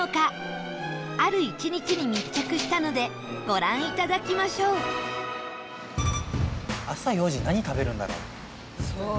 ある１日に密着したのでご覧いただきましょう前田：朝４時何食べるんだろう？